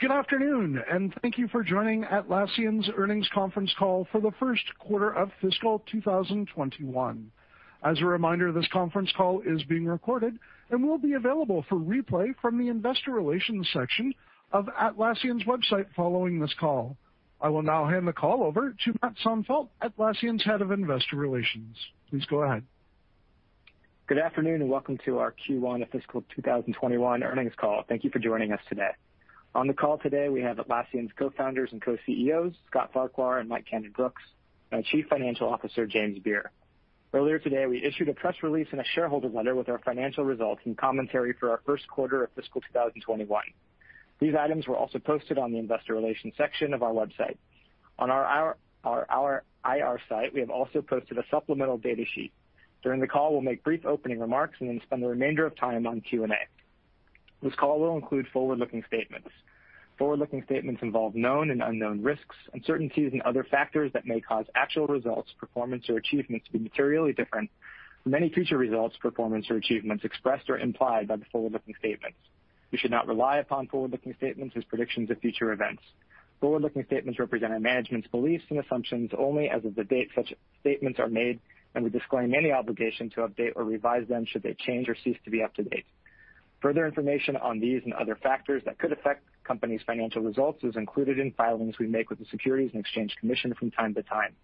Good afternoon. Thank you for joining Atlassian's earnings conference call for the first quarter of fiscal 2021. As a reminder, this conference call is being recorded and will be available for replay from the investor relations section of Atlassian's website following this call. I will now hand the call over to Matt Sonefeldt, Atlassian's Head of Investor Relations. Please go ahead. Good afternoon, and welcome to our Q1 of fiscal 2021 earnings call. Thank you for joining us today. On the call today, we have Atlassian's Co-Founders and Co-CEOs, Scott Farquhar and Mike Cannon-Brookes, and our Chief Financial Officer, James Beer. Earlier today, we issued a press release and a shareholder letter with our financial results and commentary for our first quarter of fiscal 2021. These items were also posted on the investor relations section of our website. On our IR site, we have also posted a supplemental data sheet. During the call, we'll make brief opening remarks and then spend the remainder of time on Q&A. This call will include forward-looking statements. Forward-looking statements involve known and unknown risks, uncertainties, and other factors that may cause actual results, performance, or achievements to be materially different from any future results, performance, or achievements expressed or implied by the forward-looking statements. You should not rely upon forward-looking statements as predictions of future events. Forward-looking statements represent our management's beliefs and assumptions only as of the date such statements are made, and we disclaim any obligation to update or revise them should they change or cease to be up to date. Further information on these and other factors that could affect the company's financial results is included in filings we make with the Securities and Exchange Commission from time to time,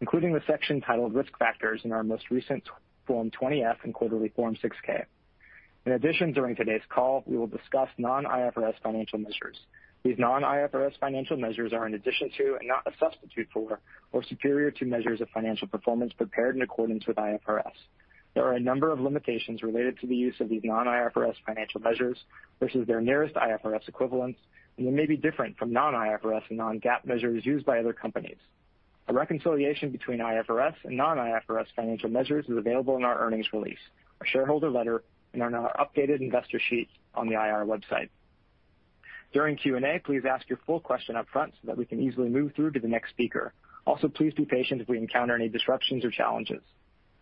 including the section titled Risk Factors in our most recent Form 20-F and quarterly Form 6-K. In addition, during today's call, we will discuss non-IFRS financial measures. These non-IFRS financial measures are in addition to, and not a substitute for, or superior to measures of financial performance prepared in accordance with IFRS. There are a number of limitations related to the use of these non-IFRS financial measures versus their nearest IFRS equivalents, and they may be different from non-IFRS and non-GAAP measures used by other companies. A reconciliation between IFRS and non-IFRS financial measures is available in our earnings release, our shareholder letter, and on our updated investor sheet on the IR website. During Q&A, please ask your full question up front so that we can easily move through to the next speaker. Also, please be patient if we encounter any disruptions or challenges.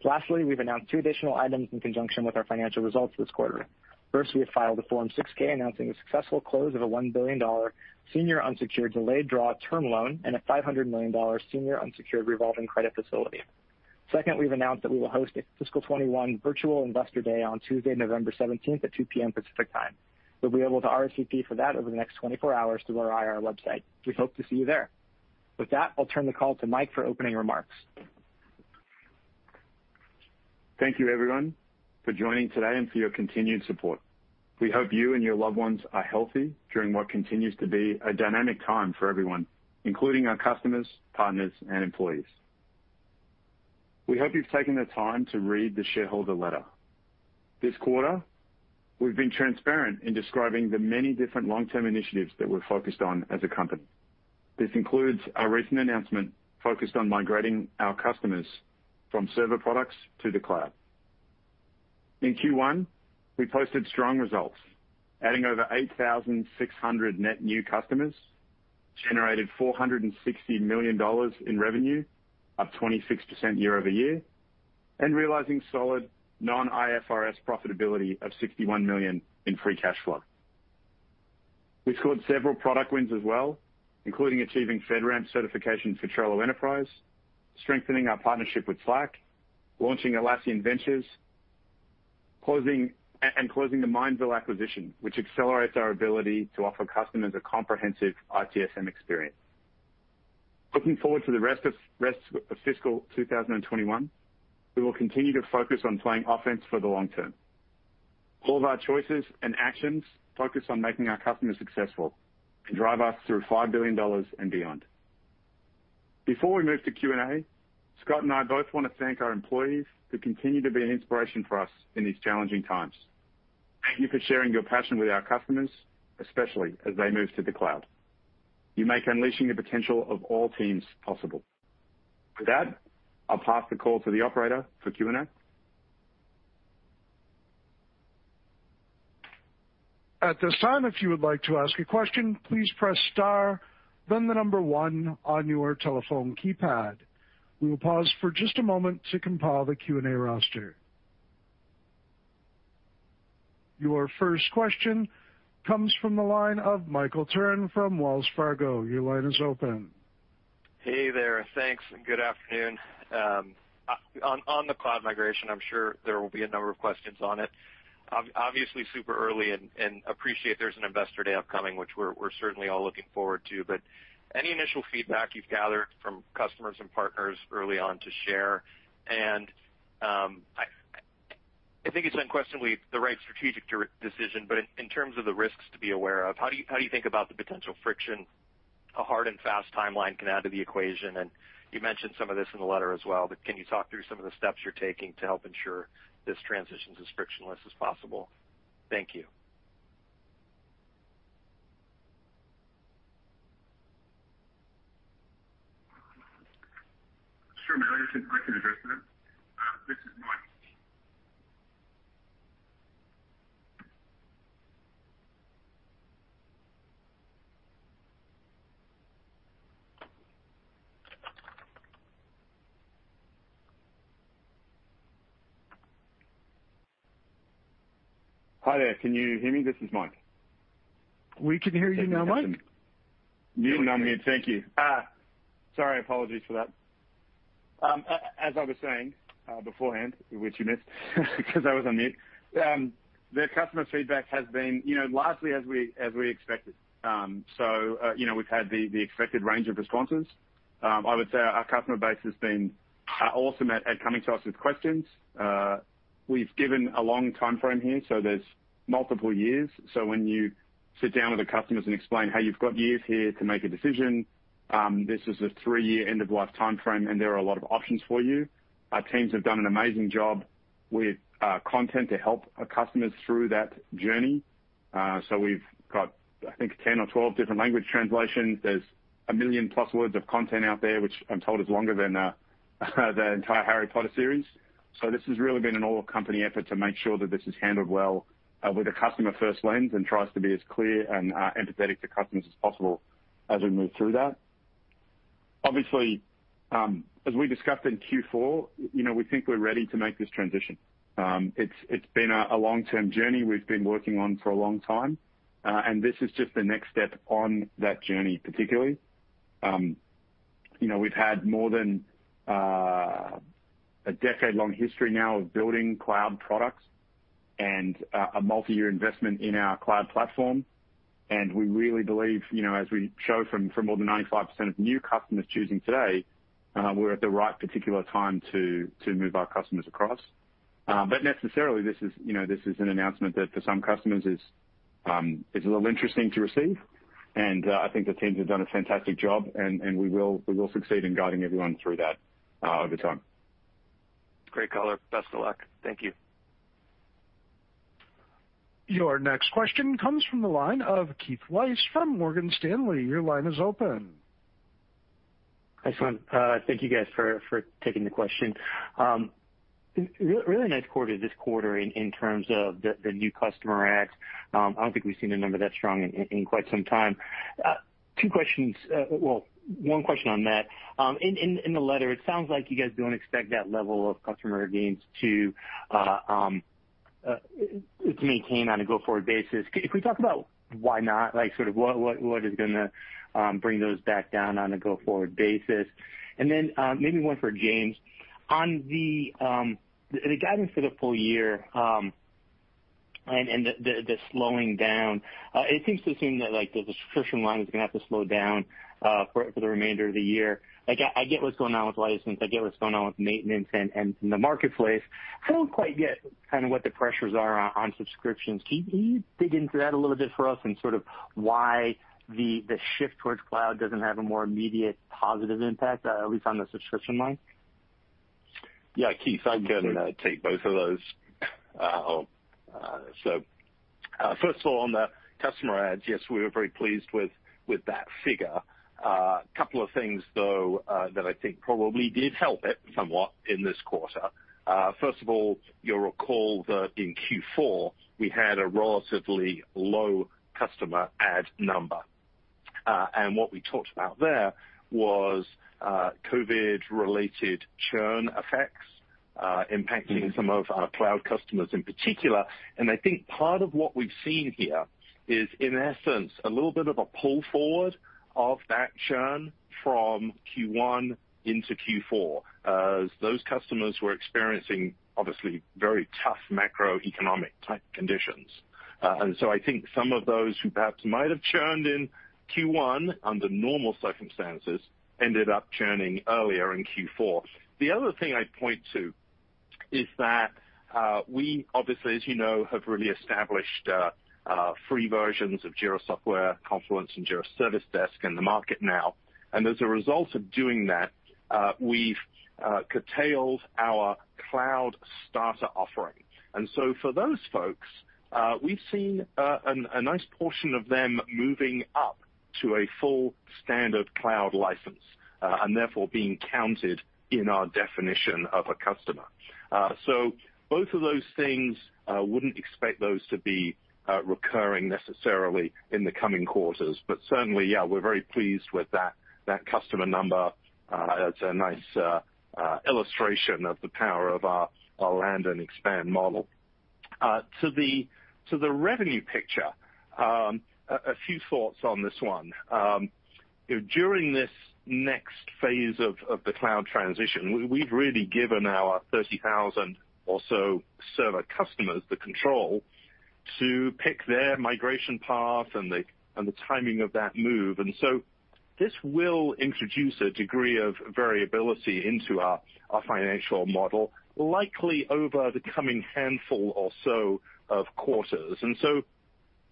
Lastly, we've announced two additional items in conjunction with our financial results this quarter. First, we have filed a Form 6-K announcing the successful close of a $1 billion senior unsecured delayed draw term loan and a $500 million senior unsecured revolving credit facility. Second, we've announced that we will host a fiscal 2021 virtual investor day on Tuesday, November 17th at 2:00 P.M. Pacific Time. You'll be able to RSVP for that over the next 24 hours through our IR website. We hope to see you there. With that, I'll turn the call to Mike for opening remarks. Thank you everyone for joining today and for your continued support. We hope you and your loved ones are healthy during what continues to be a dynamic time for everyone, including our customers, partners, and employees. We hope you've taken the time to read the shareholder letter. This quarter, we've been transparent in describing the many different long-term initiatives that we're focused on as a company. This includes our recent announcement focused on migrating our customers from server products to the cloud. In Q1, we posted strong results, adding over 8,600 net new customers, generated $460 million in revenue, up 26% year-over-year, and realizing solid non-IFRS profitability of $61 million in free cash flow. We scored several product wins as well, including achieving FedRAMP certification for Trello Enterprise, strengthening our partnership with Slack, launching Atlassian Ventures, and closing the Mindville acquisition, which accelerates our ability to offer customers a comprehensive ITSM experience. Looking forward to the rest of fiscal 2021, we will continue to focus on playing offense for the long term. All of our choices and actions focus on making our customers successful and drive us through $5 billion and beyond. Before we move to Q&A, Scott and I both want to thank our employees, who continue to be an inspiration for us in these challenging times. Thank you for sharing your passion with our customers, especially as they move to the cloud. You make unleashing the potential of all teams possible. With that, I'll pass the call to the operator for Q&A. Your first question comes from the line of Michael Turrin from Wells Fargo. Your line is open. Hey there. Thanks, and good afternoon. On the cloud migration, I'm sure there will be a number of questions on it. Obviously super early and appreciate there's an investor day upcoming, which we're certainly all looking forward to, but any initial feedback you've gathered from customers and partners early on to share? I think it's unquestionably the right strategic decision, but in terms of the risks to be aware of, how do you think about the potential friction a hard and fast timeline can add to the equation? You mentioned some of this in the letter as well, but can you talk through some of the steps you're taking to help ensure this transition's as frictionless as possible? Thank you. Sure, Michael. I can address that. This is Mike. Hi there. Can you hear me? This is Mike. We can hear you now, Mike. Sorry, apologies for that. As I was saying beforehand, which you missed because I was on mute. The customer feedback has been largely as we expected. We've had the expected range of responses. I would say our customer base has been awesome at coming to us with questions. We've given a long timeframe here, there's multiple years. When you sit down with the customers and explain how you've got years here to make a decision, this is a three-year end-of-life timeframe, and there are a lot of options for you. Our teams have done an amazing job with content to help our customers through that journey. We've got, I think, 10 or 12 different language translations. There's 1 million+ words of content out there, which I'm told is longer than the entire "Harry Potter" series. This has really been an all-company effort to make sure that this is handled well with a customer-first lens and tries to be as clear and empathetic to customers as possible as we move through that. Obviously, as we discussed in Q4, we think we're ready to make this transition. It's been a long-term journey we've been working on for a long time. This is just the next step on that journey, particularly. We've had more than a decade-long history now of building cloud products and a multi-year investment in our cloud platform, and we really believe, as we show from more than 95% of new customers choosing today, we're at the right particular time to move our customers across. Necessarily, this is an announcement that, for some customers, is a little interesting to receive, and I think the teams have done a fantastic job, and we will succeed in guiding everyone through that over time. Great color. Best of luck. Thank you. Your next question comes from the line of Keith Weiss from Morgan Stanley. Your line is open. Excellent. Thank you guys for taking the question. Really nice quarter this quarter in terms of the new customer adds. I don't think we've seen a number that strong in quite some time. Two questions. Well, one question on that. In the letter, it sounds like you guys don't expect that level of customer gains to maintain on a go-forward basis. Could we talk about why not? Like sort of what is going to bring those back down on a go-forward basis? Then maybe one for James. On the guidance for the full year, and the slowing down, it seems to assume that the subscription line is going to have to slow down for the remainder of the year. I get what's going on with licensing. I get what's going on with maintenance and the marketplace. I don't quite get kind of what the pressures are on subscriptions. Can you dig into that a little bit for us and sort of why the shift towards cloud doesn't have a more immediate positive impact, at least on the subscription line? Yeah, Keith, I can take both of those. First of all, on the customer adds, yes, we were very pleased with that figure. A couple of things, though, that I think probably did help it somewhat in this quarter. First of all, you'll recall that in Q4, we had a relatively low customer add number. What we talked about there was COVID-related churn effects impacting some of our cloud customers in particular. I think part of what we've seen here is, in essence, a little bit of a pull forward of that churn from Q1 into Q4, as those customers were experiencing obviously very tough macroeconomic type conditions. I think some of those who perhaps might have churned in Q1 under normal circumstances ended up churning earlier in Q4. The other thing I'd point to is that we obviously, as you know, have really established free versions of Jira Software, Confluence, and Jira Service Desk in the market now. As a result of doing that, we've curtailed our cloud starter offering. For those folks, we've seen a nice portion of them moving up to a full standard cloud license, and therefore being counted in our definition of a customer. Both of those things, wouldn't expect those to be recurring necessarily in the coming quarters. Certainly, yeah, we're very pleased with that customer number. It's a nice illustration of the power of our land and expand model. To the revenue picture, a few thoughts on this one. During this next phase of the cloud transition, we've really given our 30,000 or so server customers the control to pick their migration path and the timing of that move. This will introduce a degree of variability into our financial model, likely over the coming handful or so of quarters.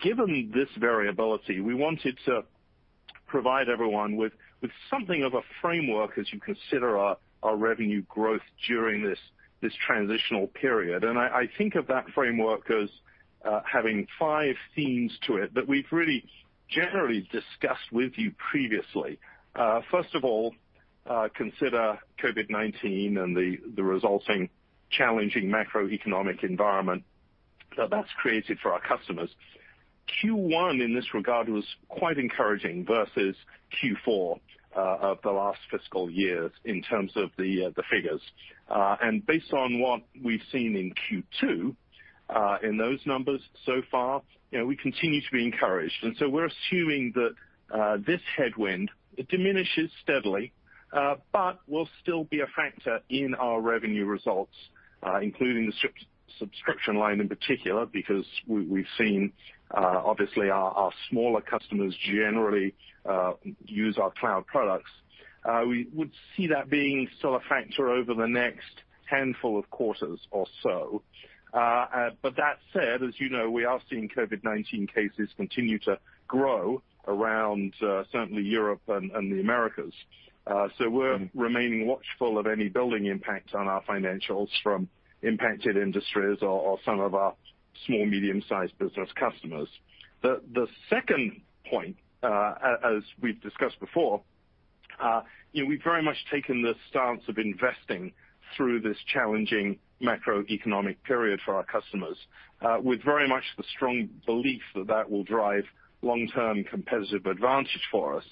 Given this variability, we wanted to provide everyone with something of a framework as you consider our revenue growth during this transitional period. I think of that framework as having five themes to it that we've really generally discussed with you previously. First of all, consider COVID-19 and the resulting challenging macroeconomic environment that that's created for our customers. Q1 in this regard was quite encouraging versus Q4 of the last fiscal year in terms of the figures. Based on what we've seen in Q2, in those numbers so far, we continue to be encouraged. We're assuming that this headwind, it diminishes steadily, but will still be a factor in our revenue results, including the subscription line in particular, because we've seen obviously our smaller customers generally use our cloud products. We would see that being still a factor over the next handful of quarters or so. That said, as you know, we are seeing COVID-19 cases continue to grow around, certainly Europe and the Americas. We're remaining watchful of any building impact on our financials from impacted industries or some of our small, medium-sized business customers. The second point, as we've discussed before, we've very much taken the stance of investing through this challenging macroeconomic period for our customers, with very much the strong belief that that will drive long-term competitive advantage for us.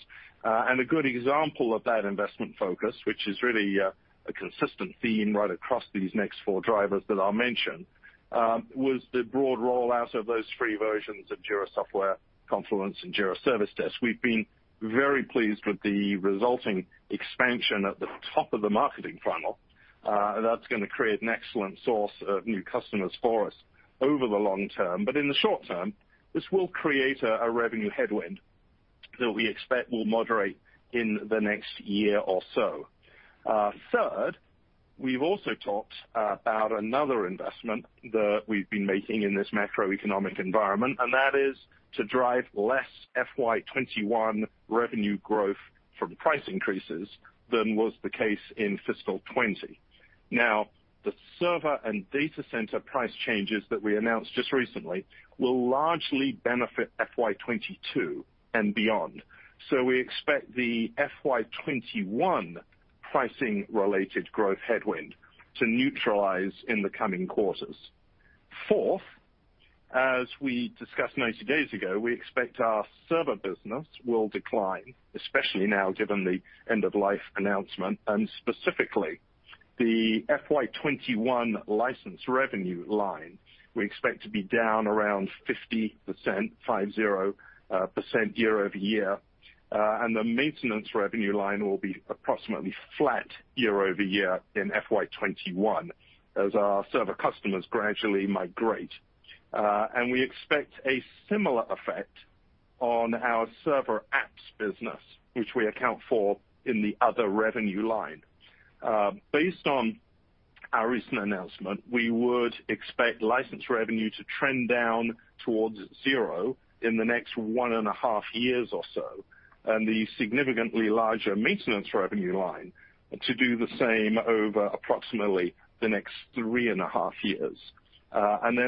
A good example of that investment focus, which is really a consistent theme right across these next four drivers that I'll mention, was the broad rollout of those free versions of Jira Software, Confluence and Jira Service Desk. We've been very pleased with the resulting expansion at the top of the marketing funnel. That's going to create an excellent source of new customers for us over the long term. In the short term, this will create a revenue headwind that we expect will moderate in the next year or so. Third, we've also talked about another investment that we've been making in this macroeconomic environment, and that is to drive less FY 2021 revenue growth from price increases than was the case in FY 2020. Now, the server and Data Center price changes that we announced just recently will largely benefit FY 2022 and beyond. We expect the FY 2021 pricing-related growth headwind to neutralize in the coming quarters. Fourth, as we discussed 90 days ago, we expect our server business will decline, especially now given the end-of-life announcement, and specifically the FY 2021 license revenue line we expect to be down around 50% year-over-year. The maintenance revenue line will be approximately flat year-over-year in FY 2021 as our server customers gradually migrate. We expect a similar effect on our server apps business, which we account for in the other revenue line. Based on our recent announcement, we would expect license revenue to trend down towards zero in the next one and a half years or so, and the significantly larger maintenance revenue line to do the same over approximately the next three and a half years.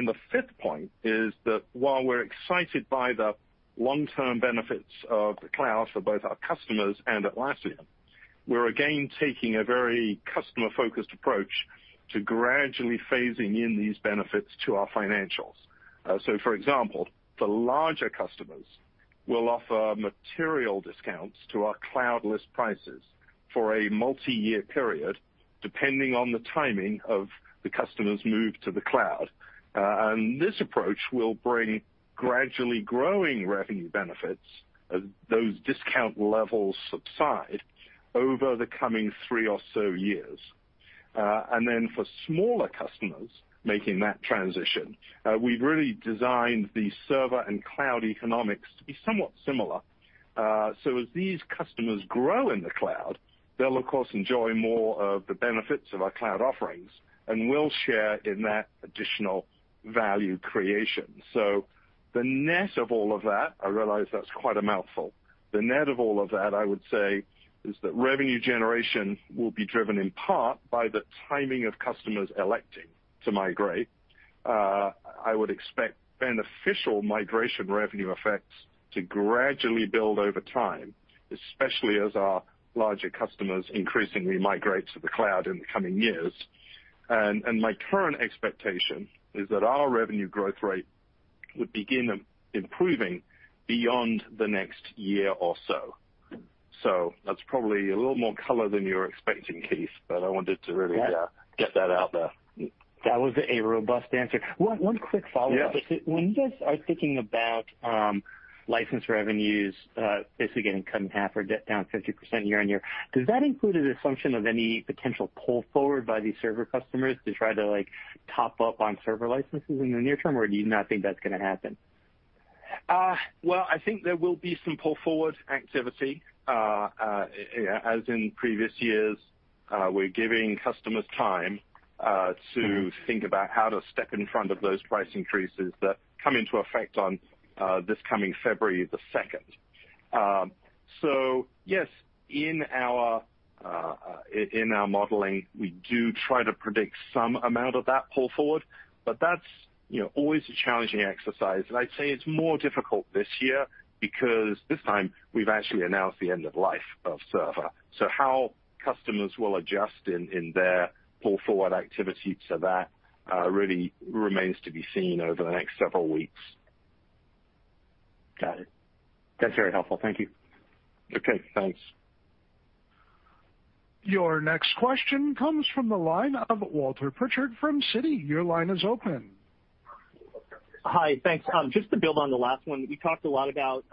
The fifth point is that while we're excited by the long-term benefits of the cloud for both our customers and Atlassian, we're again taking a very customer-focused approach to gradually phasing in these benefits to our financials. For example, the larger customers will offer material discounts to our cloud list prices for a multi-year period, depending on the timing of the customer's move to the cloud. This approach will bring gradually growing revenue benefits as those discount levels subside over the coming three or so years. For smaller customers making that transition, we've really designed the server and cloud economics to be somewhat similar. As these customers grow in the cloud, they'll of course enjoy more of the benefits of our cloud offerings and will share in that additional value creation. The net of all of that, I realize that's quite a mouthful. The net of all of that, I would say, is that revenue generation will be driven in part by the timing of customers electing to migrate. I would expect beneficial migration revenue effects to gradually build over time, especially as our larger customers increasingly migrate to the cloud in the coming years. My current expectation is that our revenue growth rate would begin improving beyond the next year or so. That's probably a little more color than you were expecting, Keith, but I wanted to really get that out there. That was a robust answer. One quick follow-up. Yes. When you guys are thinking about license revenues basically getting cut in half or down 50% year-over-year, does that include an assumption of any potential pull forward by these server customers to try to top up on server licenses in the near term, or do you not think that's going to happen? Well, I think there will be some pull forward activity. As in previous years, we're giving customers time to think about how to step in front of those price increases that come into effect on this coming February 2nd. Yes, in our modeling, we do try to predict some amount of that pull forward, but that's always a challenging exercise. I'd say it's more difficult this year because this time we've actually announced the end of life of server. How customers will adjust in their pull-forward activity to that really remains to be seen over the next several weeks. Got it. That's very helpful. Thank you. Okay, thanks. Your next question comes from the line of Walter Pritchard from Citi. Your line is open. Hi, thanks. Just to build on the last one. We talked a lot about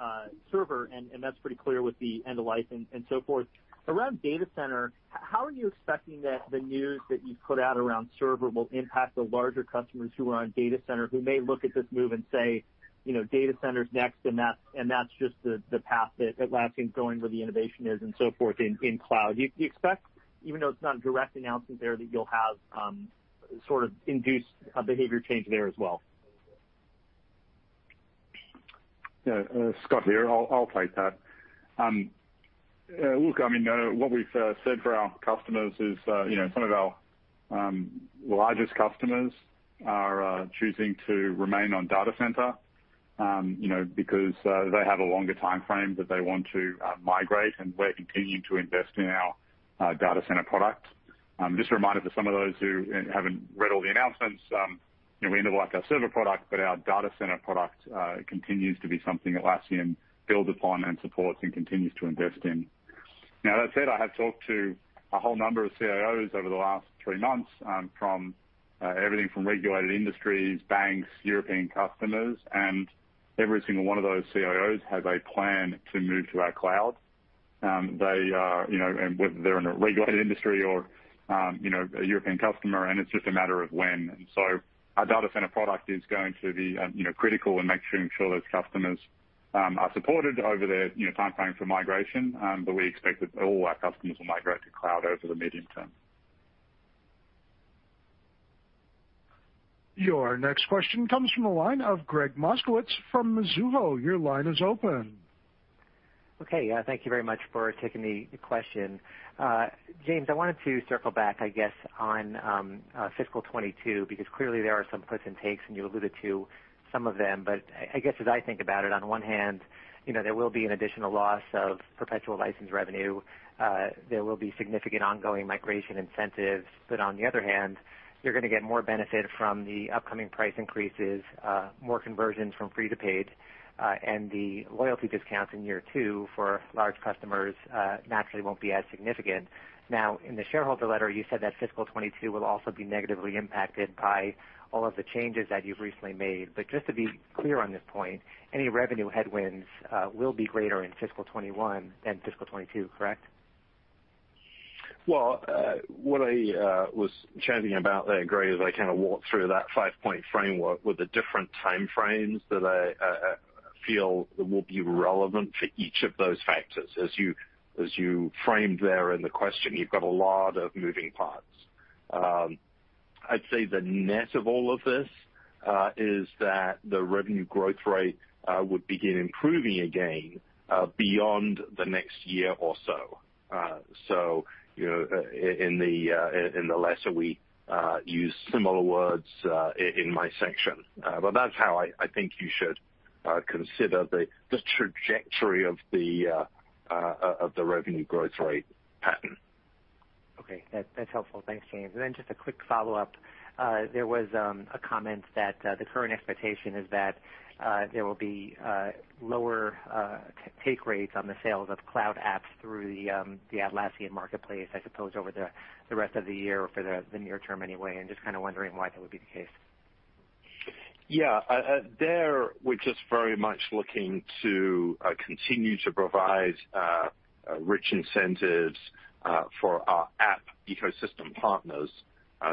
server, and that's pretty clear with the end-of-life and so forth. Around Data Center, how are you expecting that the news that you've put out around server will impact the larger customers who are on Data Center, who may look at this move and say, "Data Center's next, and that's just the path that Atlassian's going, where the innovation is and so forth in cloud?" Do you expect, even though it's not a direct announcement there, that you'll have sort of induced a behavior change there as well? Yeah, Scott here. I'll take that. Look, what we've said for our customers is, some of our largest customers are choosing to remain on Data Center because they have a longer timeframe that they want to migrate, and we're continuing to invest in our Data Center product. Just a reminder for some of those who haven't read all the announcements, we end-of-life our server product, but our Data Center product continues to be something Atlassian builds upon and supports and continues to invest in. Now, that said, I have talked to a whole number of CIOs over the last three months, from everything from regulated industries, banks, European customers, and every single one of those CIOs has a plan to move to our cloud. Whether they're in a regulated industry or a European customer, and it's just a matter of when. Our Data Center product is going to be critical in making sure those customers are supported over their timeframe for migration. We expect that all our customers will migrate to cloud over the medium term. Your next question comes from the line of Gregg Moskowitz from Mizuho. Your line is open. Okay. Yeah, thank you very much for taking the question. James, I wanted to circle back, I guess, on fiscal 2022, because clearly there are some puts and takes, and you alluded to some of them. I guess as I think about it, on one hand, there will be an additional loss of perpetual license revenue. There will be significant ongoing migration incentives. On the other hand, you're going to get more benefit from the upcoming price increases, more conversions from free to paid, and the loyalty discounts in year two for large customers naturally won't be as significant. Now, in the shareholder letter, you said that fiscal 2022 will also be negatively impacted by all of the changes that you've recently made. Just to be clear on this point, any revenue headwinds will be greater in fiscal 2021 than fiscal 2022, correct? What I was chatting about there, Gregg, as I kind of walked through that 5-point framework, were the different time frames that I feel will be relevant for each of those factors. As you framed there in the question, you've got a lot of moving parts. I'd say the net of all of this, is that the revenue growth rate would begin improving again beyond the next year or so. In the letter, we use similar words in my section. That's how I think you should consider the trajectory of the revenue growth rate pattern. Okay. That's helpful. Thanks, James. Then just a quick follow-up. There was a comment that the current expectation is that there will be lower take rates on the sales of cloud apps through the Atlassian Marketplace, I suppose over the rest of the year or for the near term anyway. Just kind of wondering why that would be the case? Yeah. There, we're just very much looking to continue to provide rich incentives for our app ecosystem partners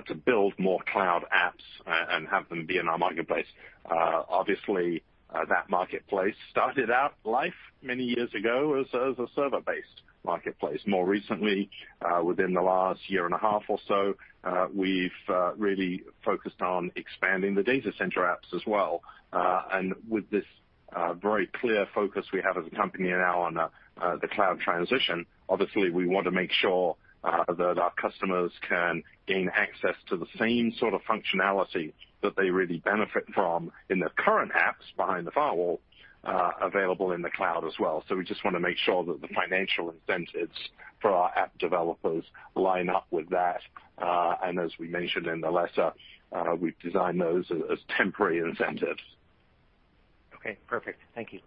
to build more cloud apps and have them be in our marketplace. Obviously, that marketplace started out life many years ago as a server-based marketplace. More recently, within the last year and a half or so, we've really focused on expanding the Data Center apps as well. With this very clear focus we have as a company now on the cloud transition, obviously, we want to make sure that our customers can gain access to the same sort of functionality that they really benefit from in their current apps behind the firewall, available in the cloud as well. We just want to make sure that the financial incentives for our app developers line up with that. As we mentioned in the letter, we've designed those as temporary incentives. Okay, perfect. Thank you.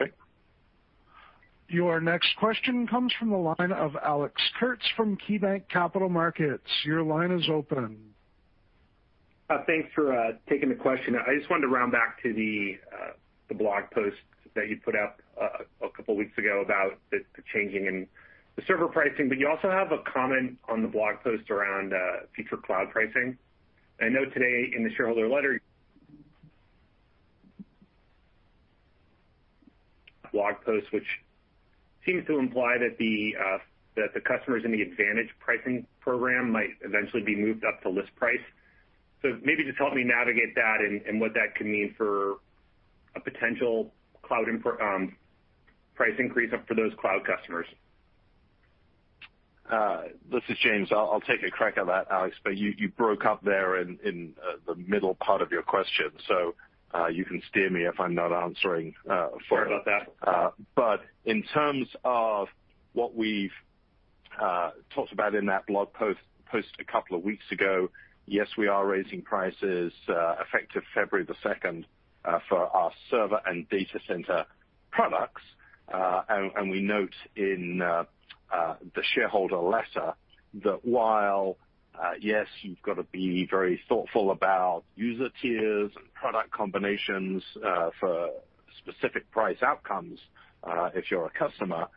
Okay. Your next question comes from the line of Alex Kurtz from KeyBanc Capital Markets. Your line is open. Thanks for taking the question. I just wanted to round back to the blog post that you put out a couple weeks ago about the changing in the server pricing. You also have a comment on the blog post around future cloud pricing. I know today in the shareholder letter, blog post, which seems to imply that the customers in the advantage pricing program might eventually be moved up to list price. Maybe just help me navigate that and what that could mean for a potential price increase for those cloud customers. This is James. I'll take a crack at that, Alex. You broke up there in the middle part of your question. You can steer me if I'm not answering. Sorry about that. in terms of what we've talked about in that blog post a couple of weeks ago. Yes, we are raising prices effective February the second for our server and Data Center products. We note in the shareholder letter that while yes, you've got to be very thoughtful about user tiers and product combinations for specific price outcomes, if you're a customer,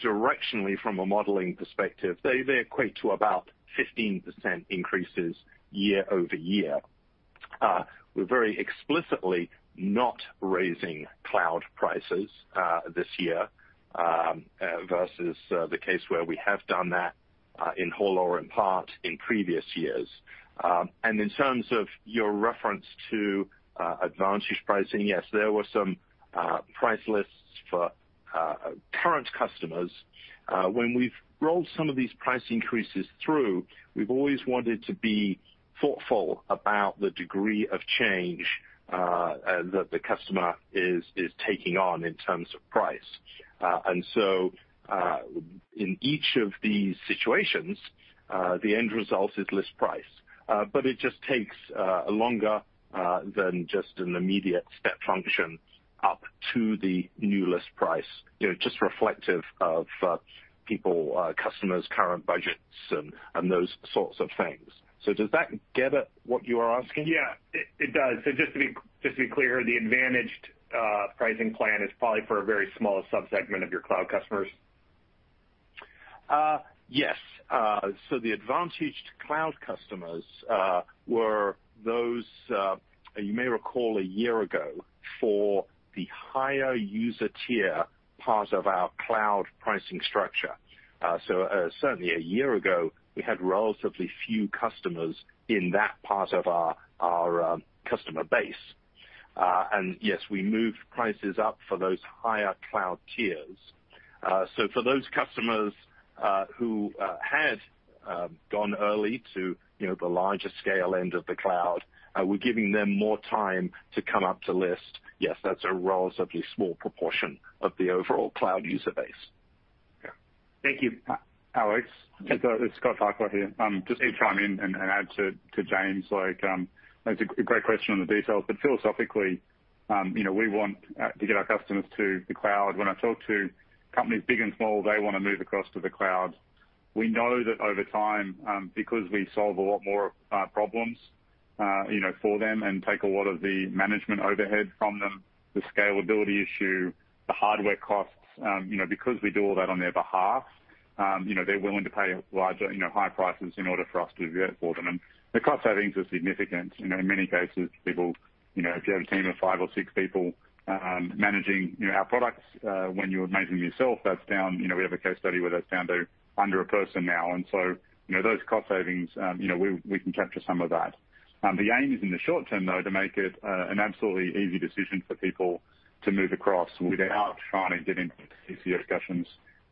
directionally from a modeling perspective, they equate to about 15% increases year-over-year. We're very explicitly not raising cloud prices this year, versus the case where we have done that in whole or in part in previous years. In terms of your reference to advantaged pricing, yes, there were some price lists for current customers. When we've rolled some of these price increases through, we've always wanted to be thoughtful about the degree of change that the customer is taking on in terms of price. In each of these situations, the end result is list price. It just takes longer than just an immediate step function up to the new list price. Just reflective of people, customers, current budgets, and those sorts of things. Does that get at what you are asking? Yeah. It does. Just to be clear, the advantaged pricing plan is probably for a very small subsegment of your cloud customers? Yes. The advantaged cloud customers were those, you may recall a year ago, for the higher user tier part of our cloud pricing structure. Certainly a year ago, we had relatively few customers in that part of our customer base. Yes, we moved prices up for those higher cloud tiers. For those customers who had gone early to the larger scale end of the cloud, we're giving them more time to come up to list. Yes, that's a relatively small proportion of the overall cloud user base. Yeah. Thank you. Alex, it's Scott Farquhar here. Just to chime in and add to James, that's a great question on the details. Philosophically, we want to get our customers to the cloud. When I talk to companies big and small, they want to move across to the cloud. We know that over time, because we solve a lot more problems for them and take a lot of the management overhead from them, the scalability issue, the hardware costs, because we do all that on their behalf, they're willing to pay higher prices in order for us to do that for them. The cost savings are significant. In many cases, if you have a team of five or six people managing our products when you're managing them yourself, we have a case study where that's down to under a person now. Those cost savings, we can capture some of that. The aim is in the short term, though, to make it an absolutely easy decision for people to move across without trying to get into CC discussions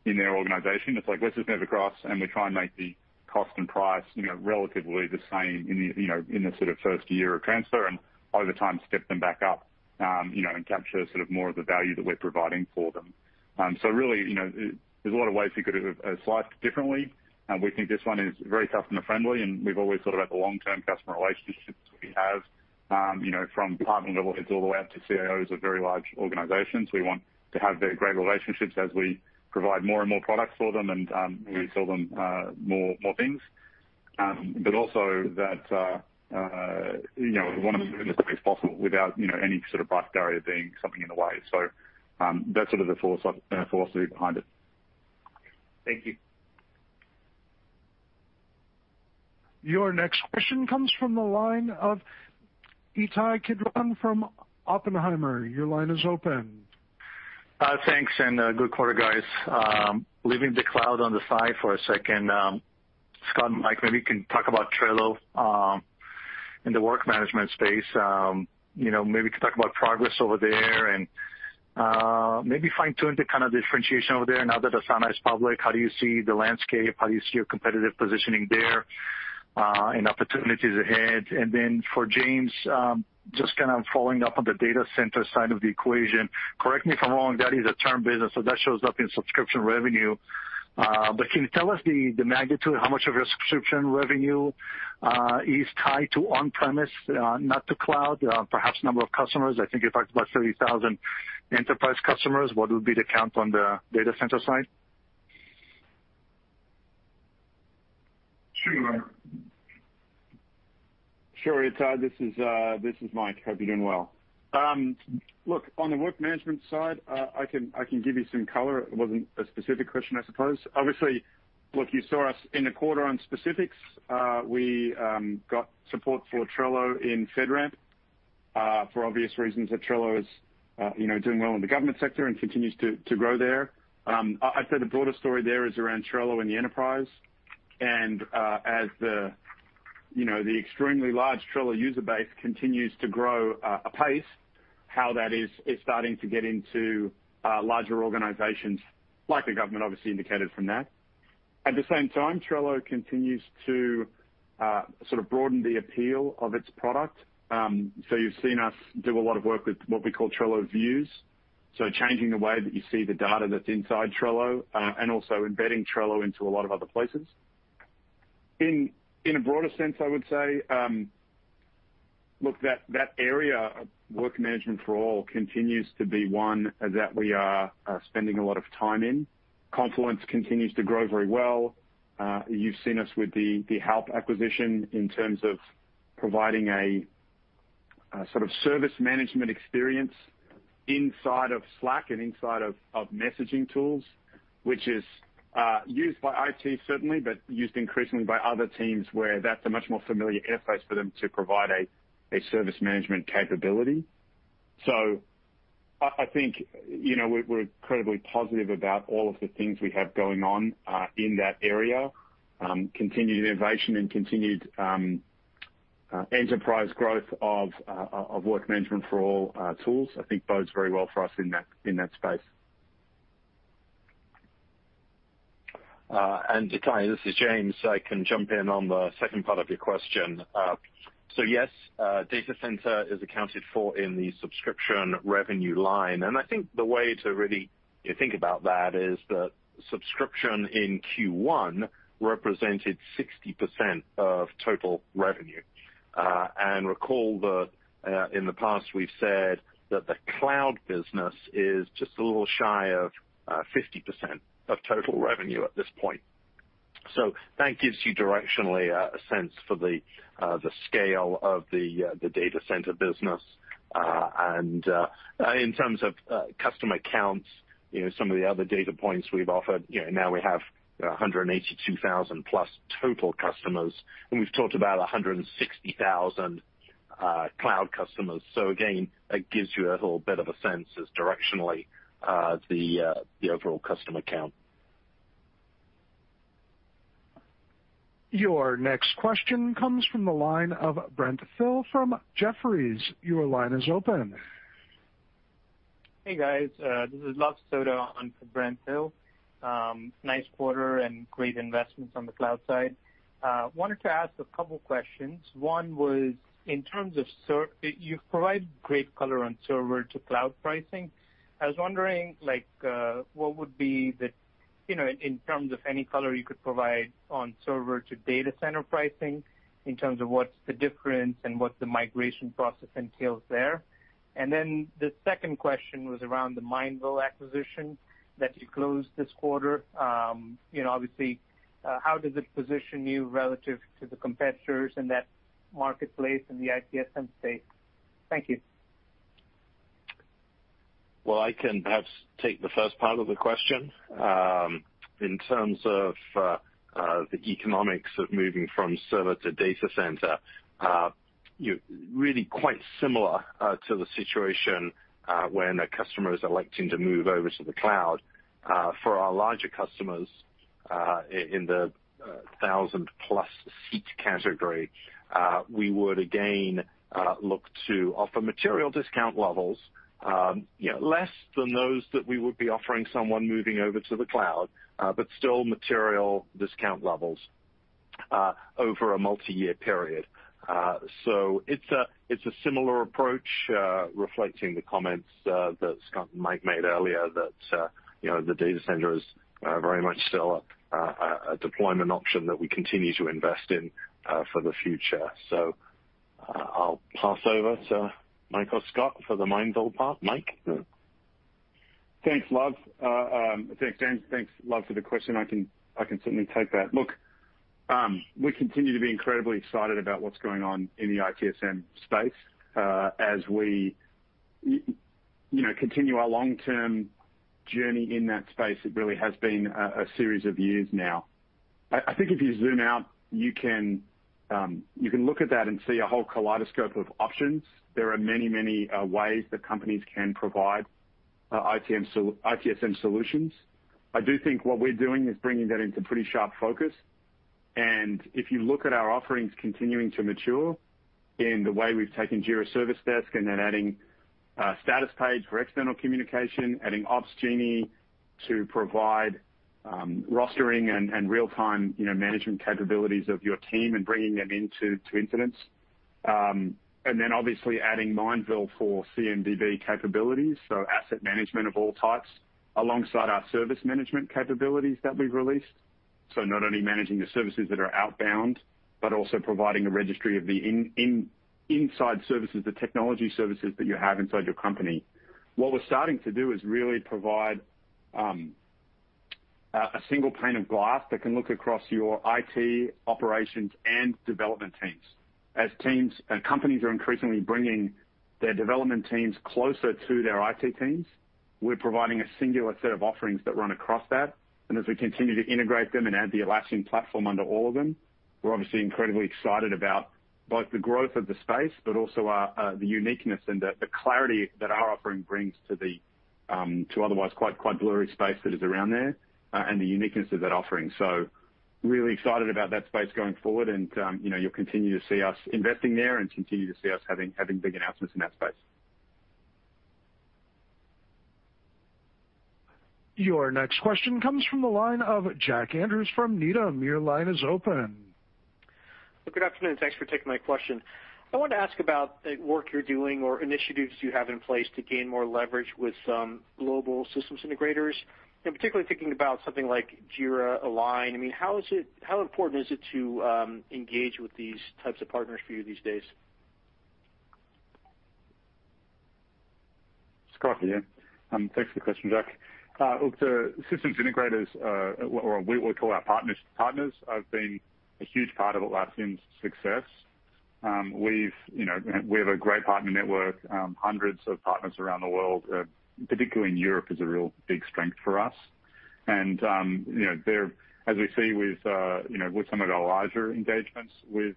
in their organization. Let's just move across, and we try and make the cost and price relatively the same in the sort of first year of transfer. Over time, step them back up, and capture sort of more of the value that we're providing for them. There's a lot of ways we could have sliced it differently. We think this one is very customer friendly, and we've always thought about the long-term customer relationships that we have, from department level heads all the way up to CIOs of very large organizations. We want to have very great relationships as we provide more and more products for them, and we sell them more things. Also that, we want to move them as quickly as possible without any sort of price barrier being something in the way. That's sort of the philosophy behind it. Thank you. Your next question comes from the line of Ittai Kidron from Oppenheimer. Your line is open. Thanks, good quarter, guys. Leaving the cloud on the side for a second, Scott and Mike, maybe you can talk about Trello in the work management space. Maybe you could talk about progress over there and maybe fine-tune the kind of differentiation over there now that Asana is public. How do you see the landscape? How do you see your competitive positioning there, and opportunities ahead? For James, just kind of following up on the Data Center side of the equation. Correct me if I'm wrong, that is a term business, that shows up in subscription revenue. Can you tell us the magnitude, how much of your subscription revenue is tied to on-premise, not to cloud? Perhaps number of customers? I think you talked about 30,000 enterprise customers. What would be the count on the Data Center side? Sure, Ittai. This is Mike. Hope you're doing well. Look, on the work management side, I can give you some color. It wasn't a specific question, I suppose. Obviously, look, you saw us in the quarter on specifics. We got support for Trello in FedRAMP. For obvious reasons that Trello is doing well in the government sector and continues to grow there. I'd say the broader story there is around Trello and the enterprise. As the extremely large Trello user base continues to grow apace, how that is starting to get into larger organizations like the government obviously indicated from that. At the same time, Trello continues to sort of broaden the appeal of its product. You've seen us do a lot of work with what we call Trello Views. Changing the way that you see the data that's inside Trello, and also embedding Trello into a lot of other places. In a broader sense, I would say, look, that area of work management for all continues to be one that we are spending a lot of time in. Confluence continues to grow very well. You've seen us with the Halp acquisition in terms of providing a sort of service management experience inside of Slack and inside of messaging tools, which is used by IT certainly, but used increasingly by other teams, where that's a much more familiar interface for them to provide a service management capability. I think we're incredibly positive about all of the things we have going on in that area. Continued innovation and continued enterprise growth of work management for all tools, I think bodes very well for us in that space. Ittai, this is James. I can jump in on the second part of your question. Yes, Data Center is accounted for in the subscription revenue line. I think the way to really think about that is that subscription in Q1 represented 60% of total revenue. Recall that in the past we've said that the cloud business is just a little shy of 50% of total revenue at this point. That gives you directionally a sense for the scale of the Data Center business. In terms of customer counts, some of the other data points we've offered, now we have 182,000+ total customers, and we've talked about 160,000 cloud customers. Again, that gives you a little bit of a sense as directionally the overall customer count. Your next question comes from the line of Brent Thill from Jefferies. Your line is open. Hey, guys. This is Luv Sodha on for Brent Thill. Nice quarter and great investments on the cloud side. Wanted to ask a couple questions. One was you've provided great color on server-to-cloud pricing. I was wondering, what would be in terms of any color you could provide on server-to-Data Center pricing, in terms of what's the difference and what the migration process entails there? The second question was around the Mindville acquisition that you closed this quarter. Obviously, how does it position you relative to the competitors in that marketplace, in the ITSM space? Thank you. Well, I can perhaps take the first part of the question. In terms of the economics of moving from server to Data Center, really quite similar to the situation when a customer is electing to move over to the cloud. For our larger customers, in the 1,000+ seat category, we would again, look to offer material discount levels. Less than those that we would be offering someone moving over to the cloud, but still material discount levels over a multi-year period. It's a similar approach, reflecting the comments that Scott and Mike made earlier that the Data Center is very much still a deployment option that we continue to invest in for the future. I'll pass over to Mike or Scott for the Mindville part. Mike? Thanks, Luv. Thanks, James. Thanks, Luv, for the question. I can certainly take that. Look, we continue to be incredibly excited about what's going on in the ITSM space. As we continue our long-term journey in that space, it really has been a series of years now. I think if you zoom out, you can look at that and see a whole kaleidoscope of options. There are many ways that companies can provide ITSM solutions. I do think what we're doing is bringing that into pretty sharp focus. If you look at our offerings continuing to mature in the way we've taken Jira Service Desk and then adding a Statuspage for external communication, adding Opsgenie to provide rostering and real-time management capabilities of your team and bringing them into incidents. Obviously adding Mindville for CMDB capabilities, so asset management of all types, alongside our service management capabilities that we've released. Not only managing the services that are outbound, but also providing a registry of the inside services, the technology services that you have inside your company. What we're starting to do is really provide a single pane of glass that can look across your IT operations and development teams. As companies are increasingly bringing their development teams closer to their IT teams, we're providing a singular set of offerings that run across that. As we continue to integrate them and add the Atlassian platform under all of them, we're obviously incredibly excited about both the growth of the space, but also the uniqueness and the clarity that our offering brings to the otherwise quite blurry space that is around there, and the uniqueness of that offering. Really excited about that space going forward, and you'll continue to see us investing there and continue to see us having big announcements in that space. Your next question comes from the line of Jack Andrews from Needham. Your line is open. Good afternoon. Thanks for taking my question. I wanted to ask about the work you're doing or initiatives you have in place to gain more leverage with some global systems integrators, particularly thinking about something like Jira Align. How important is it to engage with these types of partners for you these days? Scott here. Thanks for the question, Jack. Look, the systems integrators, or what we call our partners, have been a huge part of Atlassian's success. We have a great partner network, hundreds of partners around the world, particularly in Europe, is a real big strength for us. As we see with some of our larger engagements with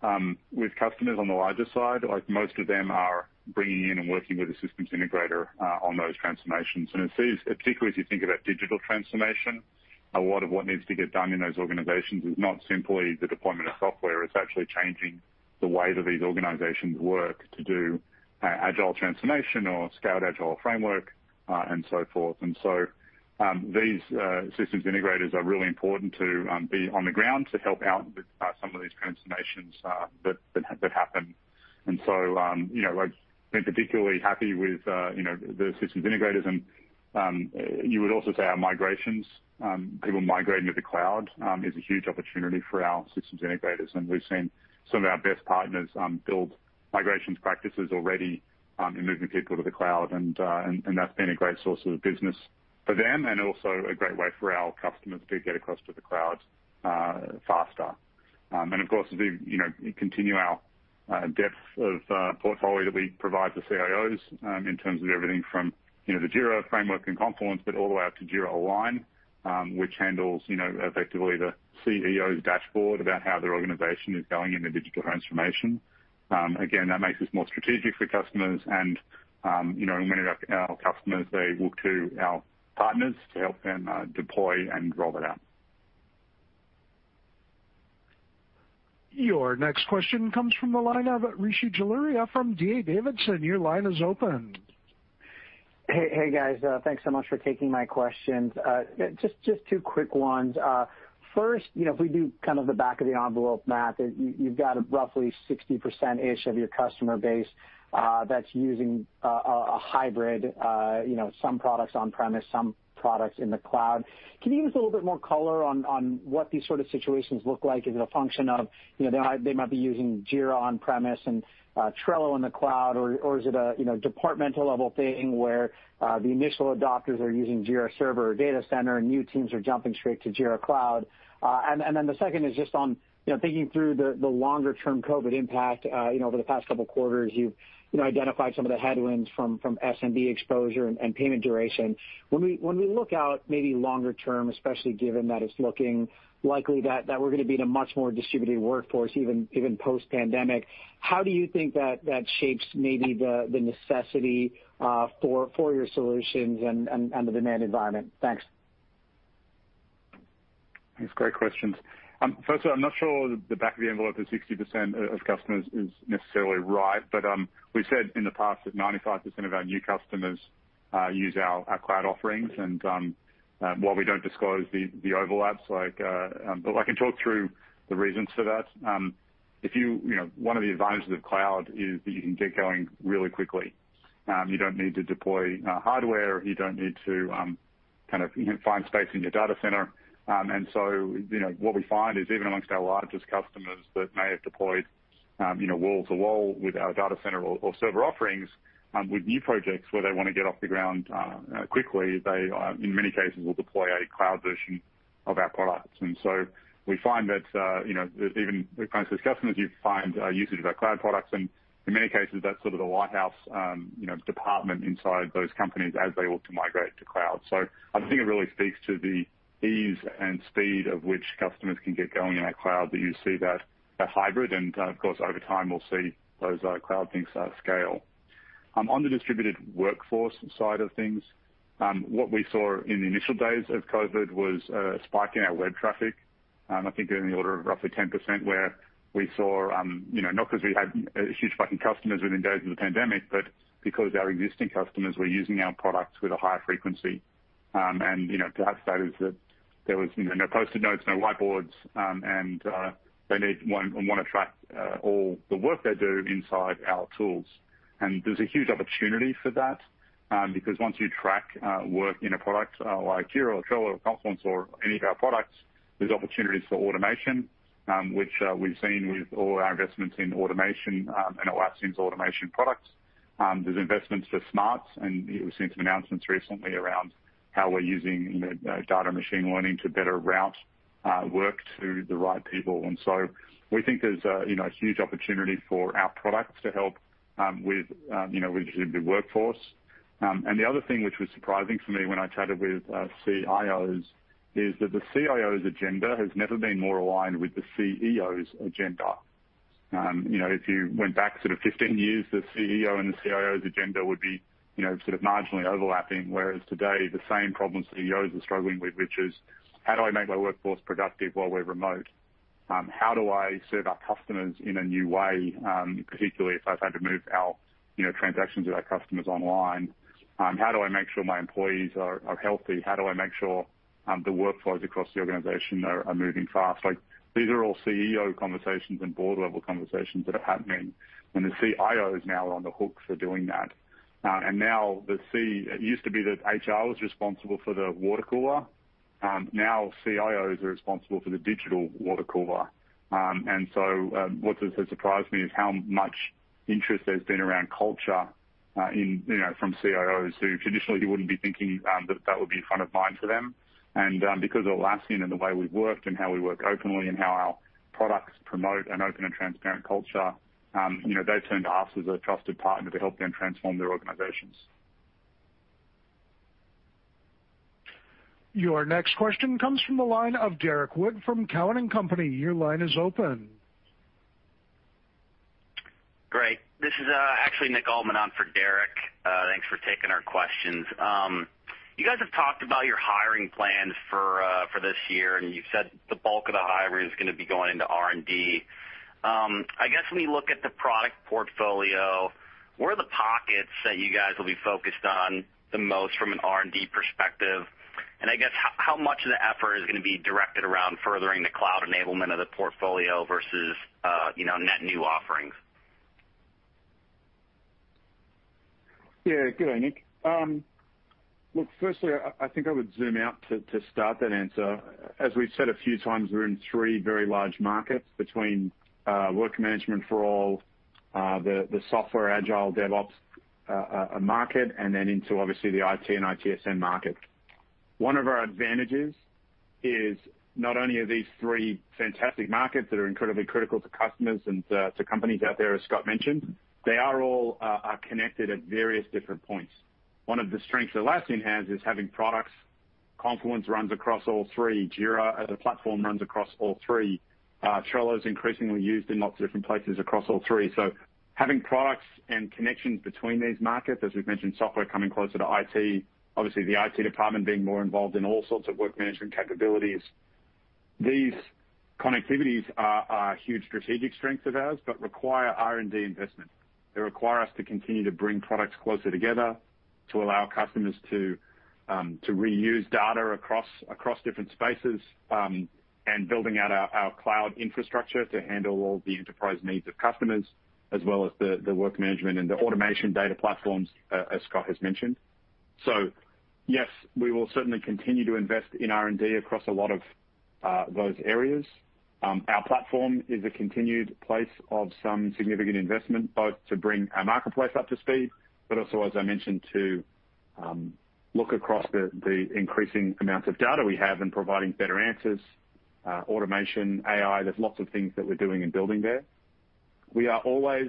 customers on the larger side, most of them are bringing in and working with a systems integrator on those transformations. Particularly as you think about digital transformation, a lot of what needs to get done in those organizations is not simply the deployment of software. It's actually changing the way that these organizations work to do agile transformation or Scaled Agile Framework and so forth. These systems integrators are really important to be on the ground to help out with some of these transformations that happen. We've been particularly happy with the systems integrators and you would also say our migrations. People migrating to the cloud is a huge opportunity for our systems integrators, and we've seen some of our best partners build migrations practices already in moving people to the cloud. That's been a great source of business for them and also a great way for our customers to get across to the cloud faster. Of course, as we continue our depth of portfolio that we provide to CIOs in terms of everything from Jira and Confluence, but all the way up to Jira Align, which handles effectively the CEO's dashboard about how their organization is going in their digital transformation. That makes us more strategic for customers and many of our customers, they look to our partners to help them deploy and roll it out. Your next question comes from the line of Rishi Jaluria from D.A. Davidson. Hey, guys. Thanks so much for taking my questions. Just two quick ones. First, if we do kind of the back of the envelope math, you've got roughly 60% ish of your customer base that's using a hybrid, some products on-premise, some products in the cloud. Can you give us a little bit more color on what these sort of situations look like? Is it a function of they might be using Jira on-premise and Trello in the cloud, or is it a departmental level thing where the initial adopters are using Jira Server or Data Center, and new teams are jumping straight to Jira Cloud? The second is just on thinking through the longer term COVID impact. Over the past couple of quarters, you've identified some of the headwinds from SMB exposure and payment duration. When we look out maybe longer term, especially given that it's looking likely that we're going to be in a much more distributed workforce, even post-pandemic, how do you think that shapes maybe the necessity for your solutions and the demand environment? Thanks. Thanks. Great questions. First of all, I'm not sure the back of the envelope is 60% of customers is necessarily right, but we've said in the past that 95% of our new customers use our cloud offerings. While we don't disclose the overlaps, but I can talk through the reasons for that. One of the advantages of cloud is that you can get going really quickly. You don't need to deploy hardware. You don't need to find space in your Data Center. What we find is even amongst our largest customers that may have deployed wall to wall with our Data Center or server offerings, with new projects where they want to get off the ground quickly, they in many cases will deploy a cloud version of our products. We find that even with kinds of discussions, you find usage of our cloud products, and in many cases, that's sort of the lighthouse department inside those companies as they look to migrate to cloud. I think it really speaks to the ease and speed of which customers can get going in our cloud that you see that are hybrid. Of course, over time, we'll see those cloud things scale. On the distributed workforce side of things, what we saw in the initial days of COVID-19 was a spike in our web traffic. I think it was in the order of roughly 10%, where we saw, not because we had a huge spike in customers within days of the pandemic, but because our existing customers were using our products with a higher frequency. Perhaps that is that there was no Post-it Notes, no whiteboards, and they want to track all the work they do inside our tools. There's a huge opportunity for that, because once you track work in a product like Jira or Trello or Confluence or any of our products, there's opportunities for automation, which we've seen with all our investments in automation and Atlassian's automation products. There's investments for Smarts, and we've seen some announcements recently around how we're using data machine learning to better route work to the right people. We think there's a huge opportunity for our products to help with the workforce. The other thing which was surprising for me when I chatted with CIOs is that the CIO's agenda has never been more aligned with the CEO's agenda. If you went back sort of 15 years, the CEO and the CIO's agenda would be sort of marginally overlapping, whereas today, the same problems CEOs are struggling with, which is how do I make my workforce productive while we're remote? How do I serve our customers in a new way, particularly if I've had to move our transactions with our customers online? How do I make sure my employees are healthy? How do I make sure the workflows across the organization are moving fast? These are all CEO conversations and board-level conversations that are happening, and the CIO is now on the hook for doing that. It used to be that HR was responsible for the water cooler, now CIOs are responsible for the digital water cooler. What has surprised me is how much interest there's been around culture from CIOs who traditionally wouldn't be thinking that that would be front of mind for them. Because Atlassian and the way we've worked and how we work openly and how our products promote an open and transparent culture, they've turned to us as a trusted partner to help them transform their organizations. Your next question comes from the line of Derrick Wood from Cowen and Company. Your line is open. Great. This is actually Nick Altmann on for Derrick. Thanks for taking our questions. You guys have talked about your hiring plans for this year, and you've said the bulk of the hiring is going to be going into R&D. I guess, when you look at the product portfolio, where are the pockets that you guys will be focused on the most from an R&D perspective? I guess, how much of the effort is going to be directed around furthering the cloud enablement of the portfolio versus net new offerings? Good day, Nick. Look, firstly, I think I would zoom out to start that answer. As we've said a few times, we're in three very large markets between work management for all the software agile DevOps market, and then into, obviously, the IT and ITSM market. One of our advantages is not only are these three fantastic markets that are incredibly critical to customers and to companies out there, as Scott mentioned, they are all connected at various different points. One of the strengths Atlassian has is having products. Confluence runs across all three. Jira as a platform runs across all three. Trello is increasingly used in lots of different places across all three. Having products and connections between these markets, as we've mentioned, software coming closer to IT, obviously the IT department being more involved in all sorts of work management capabilities. These connectivities are a huge strategic strength of ours but require R&D investment. They require us to continue to bring products closer together to allow customers to reuse data across different spaces, and building out our cloud infrastructure to handle all the enterprise needs of customers, as well as the work management and the automation data platforms, as Scott has mentioned. Yes, we will certainly continue to invest in R&D across a lot of those areas. Our platform is a continued place of some significant investment, both to bring our marketplace up to speed, but also, as I mentioned, to look across the increasing amounts of data we have and providing better answers. Automation, AI, there's lots of things that we're doing and building there. We are always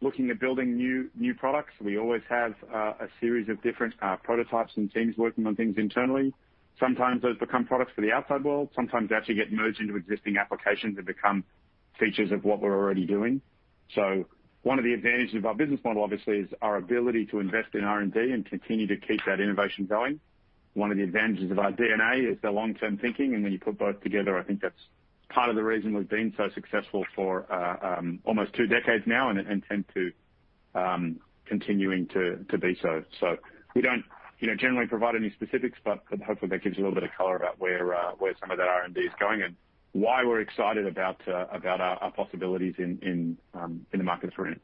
looking at building new products. We always have a series of different prototypes and teams working on things internally. Sometimes those become products for the outside world. Sometimes they actually get merged into existing applications. They become features of what we're already doing. One of the advantages of our business model, obviously, is our ability to invest in R&D and continue to keep that innovation going. One of the advantages of our DNA is the long-term thinking, and when you put both together, I think that's part of the reason we've been so successful for almost two decades now and intend to continuing to be so. We don't generally provide any specifics, but hopefully that gives you a little bit of color about where some of that R&D is going and why we're excited about our possibilities in the markets we're in.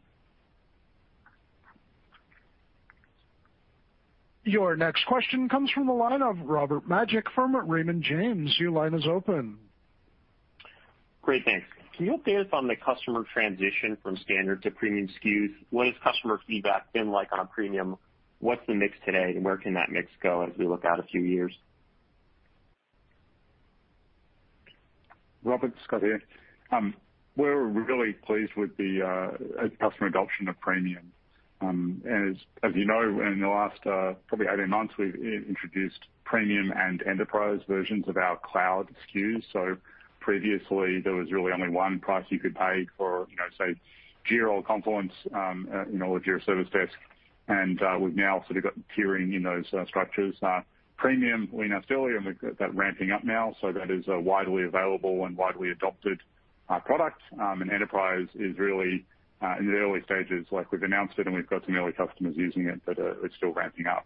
Your next question comes from the line of Robert Majek from Raymond James. Your line is open. Great. Thanks. Can you update us on the customer transition from standard to premium SKUs? What has customer feedback been like on a premium? What's the mix today, and where can that mix go as we look out a few years? Robert, Scott here. We're really pleased with the customer adoption of premium. As you know, in the last probably 18 months, we've introduced premium and enterprise versions of our cloud SKUs. Previously, there was really only one price you could pay for, say, Jira or Confluence or Jira Service Desk, and we've now sort of got tiering in those structures. Premium we announced earlier, and that's ramping up now. That is a widely available and widely adopted product. Enterprise is really in the early stages. We've announced it and we've got some early customers using it, but it's still ramping up.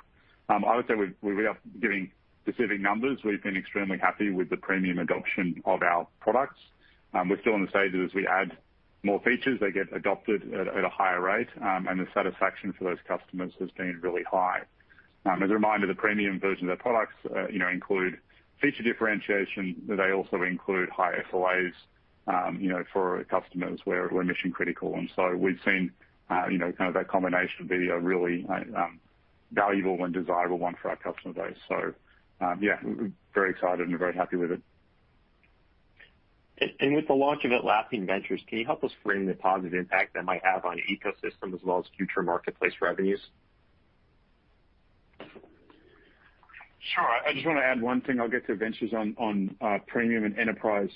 I would say without giving specific numbers, we've been extremely happy with the premium adoption of our products. We're still in the stages. We add more features, they get adopted at a higher rate, and the satisfaction for those customers has been really high. As a reminder, the premium version of the products include feature differentiation. They also include high SLAs for customers where we're mission-critical. We've seen that combination be a really valuable and desirable one for our customer base. Yeah, very excited and very happy with it. With the launch of Atlassian Ventures, can you help us frame the positive impact that might have on ecosystem as well as future marketplace revenues? Sure. I just want to add one thing. I'll get to Ventures on Premium and Enterprise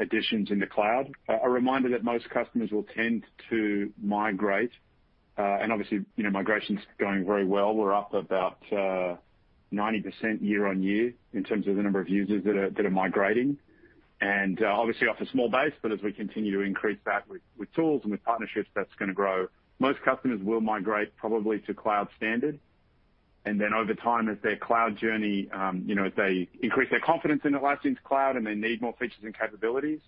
editions in the cloud. A reminder that most customers will tend to migrate. Obviously, migration's going very well. We're up about 90% year-over-year in terms of the number of users that are migrating, obviously off a small base. As we continue to increase that with tools and with partnerships, that's going to grow. Most customers will migrate probably to Cloud Standard. Over time, as their cloud journey, as they increase their confidence in Atlassian's cloud and they need more features and capabilities,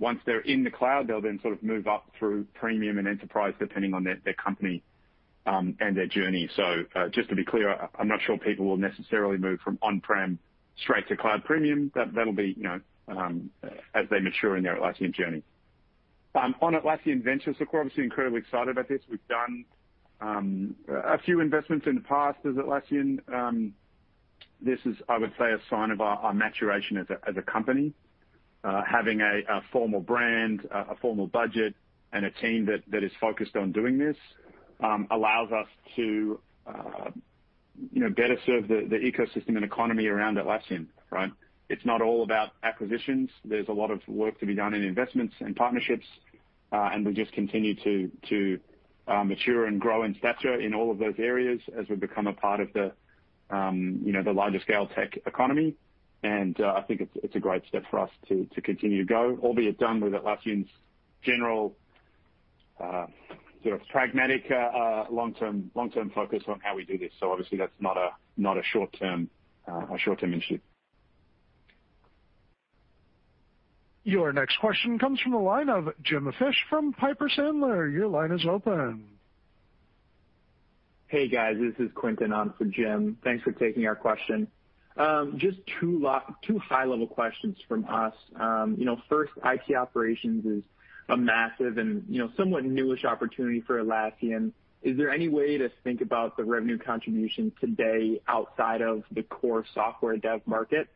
once they're in the cloud, they'll then sort of move up through Premium and Enterprise, depending on their company and their journey. Just to be clear, I'm not sure people will necessarily move from on-prem straight to Cloud Premium. That'll be as they mature in their Atlassian journey. On Atlassian Ventures, look, we're obviously incredibly excited about this. We've done a few investments in the past as Atlassian. This is, I would say, a sign of our maturation as a company. Having a formal brand, a formal budget, and a team that is focused on doing this allows us to better serve the ecosystem and economy around Atlassian, right? It's not all about acquisitions. There's a lot of work to be done in investments and partnerships, we just continue to mature and grow in stature in all of those areas as we become a part of the larger scale tech economy. I think it's a great step for us to continue to go, albeit done with Atlassian's general sort of pragmatic, long-term focus on how we do this. Obviously, that's not a short-term issue. Your next question comes from the line of Jim Fish from Piper Sandler. Your line is open. Hey, guys, this is Quinton on for Jim. Thanks for taking our question. Just two high-level questions from us. First, IT operations is a massive and somewhat newish opportunity for Atlassian. Is there any way to think about the revenue contribution today outside of the core software dev market?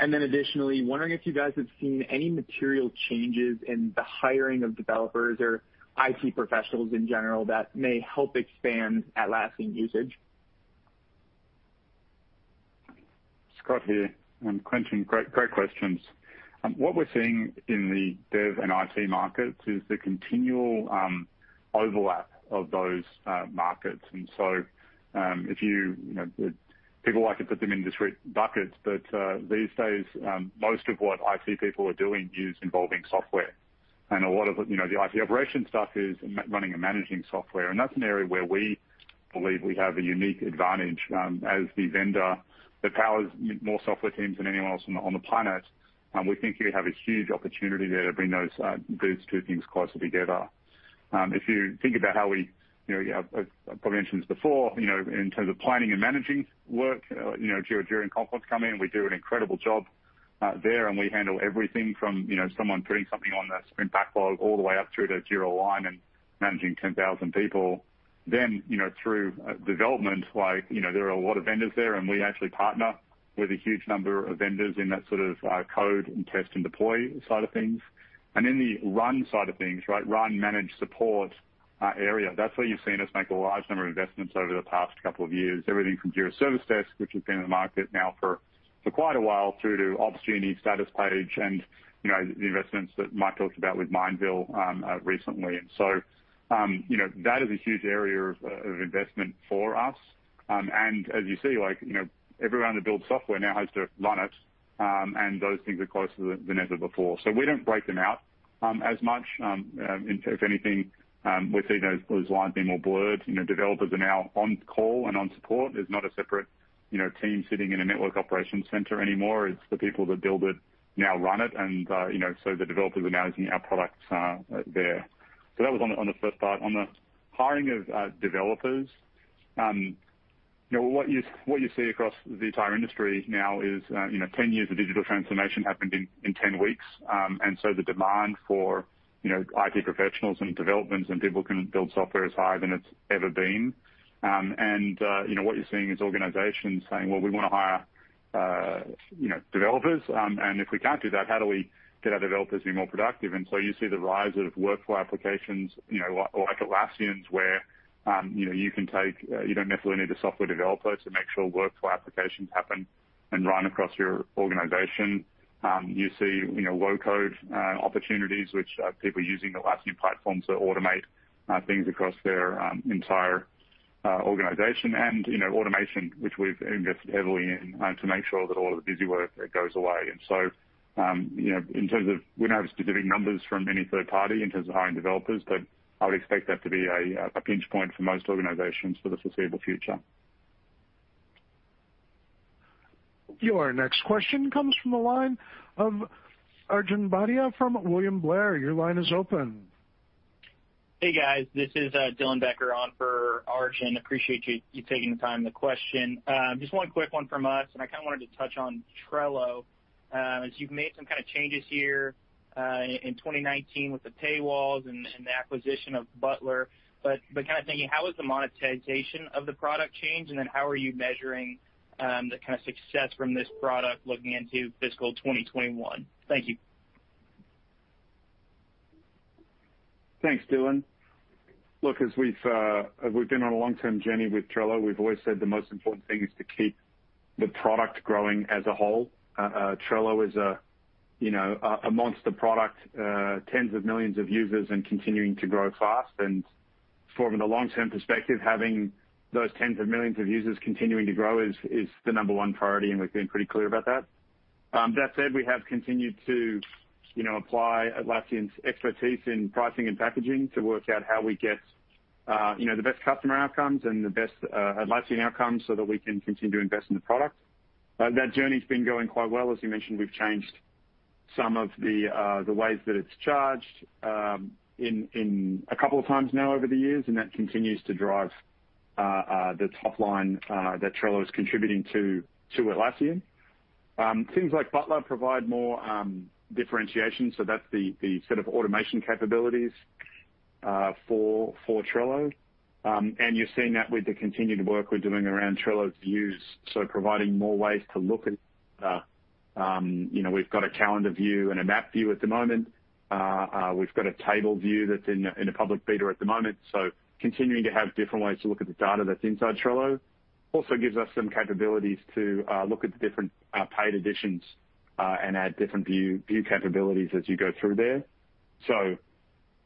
Additionally, wondering if you guys have seen any material changes in the hiring of developers or IT professionals in general that may help expand Atlassian usage. Scott here. Quinton, great questions. What we're seeing in the dev and IT markets is the continual overlap of those markets. People like to put them in these three buckets. These days, most of what IT people are doing is involving software. A lot of the IT operations stuff is running and managing software. That's an area where we believe we have a unique advantage as the vendor that powers more software teams than anyone else on the planet. We think we have a huge opportunity there to bring those two things closer together. If you think about how we, I probably mentioned this before, in terms of planning and managing work, Jira and Confluence come in, we do an incredible job there, and we handle everything from someone putting something on the sprint backlog all the way up through to Jira Align and managing 10,000 people. Through development, there are a lot of vendors there, and we actually partner with a huge number of vendors in that sort of code and test and deploy side of things. The run side of things, run manage support area, that's where you've seen us make a large number of investments over the past couple of years. Everything from Jira Service Desk, which has been in the market now for quite a while, through to Opsgenie, Statuspage, and the investments that Mike talked about with Mindville recently. That is a huge area of investment for us. As you see, everyone that builds software now has to run it, and those things are closer than ever before. We don't break them out as much. If anything, we see those lines being more blurred. Developers are now on call and on support. There's not a separate team sitting in a network operations center anymore. It's the people that build it now run it. The developers are now using our products there. That was on the first part. On the hiring of developers, what you see across the entire industry now is 10 years of digital transformation happened in 10 weeks. The demand for IT professionals and developments and people can build software is higher than it's ever been. What you're seeing is organizations saying, well, we want to hire developers, and if we can't do that, how do we get our developers to be more productive? You see the rise of workflow applications like Atlassian's, where you don't necessarily need a software developer to make sure workflow applications happen and run across your organization. You see low-code opportunities, which are people using the Atlassian platform to automate things across their entire organization. Automation, which we've invested heavily in to make sure that all of the busy work goes away. In terms of, we don't have specific numbers from any third party in terms of hiring developers, but I would expect that to be a pinch point for most organizations for the foreseeable future. Your next question comes from the line of Arjun Bhatia from William Blair. Your line is open. Hey, guys. This is Dylan Becker on for Arjun. Appreciate you taking the time to question. Just one quick one from us, and I kind of wanted to touch on Trello, as you've made some kind of changes here in 2019 with the paywalls and the acquisition of Butler. Kind of thinking, how has the monetization of the product changed, and then how are you measuring the kind of success from this product looking into fiscal 2021? Thank you. Thanks, Dylan. Look, as we've been on a long-term journey with Trello, we've always said the most important thing is to keep the product growing as a whole. Trello is. A monster product, tens of millions of users and continuing to grow fast. From the long-term perspective, having those tens of millions of users continuing to grow is the number one priority, and we've been pretty clear about that. That said, we have continued to apply Atlassian's expertise in pricing and packaging to work out how we get the best customer outcomes and the best Atlassian outcomes so that we can continue to invest in the product. That journey's been going quite well. As you mentioned, we've changed some of the ways that it's charged a couple of times now over the years, and that continues to drive the top line that Trello is contributing to Atlassian. Things like Butler provide more differentiation, so that's the set of automation capabilities for Trello. You're seeing that with the continued work we're doing around Trello Views. We've got a calendar view and a map view at the moment. We've got a table view that's in the public beta at the moment. Continuing to have different ways to look at the data that's inside Trello also gives us some capabilities to look at the different paid editions and add different view capabilities as you go through there.